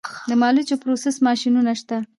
د مالوچو پروسس ماشینونه شته